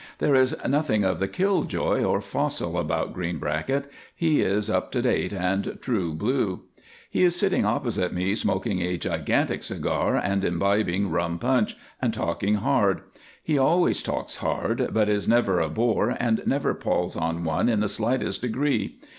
There is nothing of the kill joy or fossil about Greenbracket; he is up to date and true blue. He is sitting opposite me smoking a gigantic cigar and imbibing rum punch, and talking hard; he always talks hard, but is never a bore, and never palls on one in the slightest degree.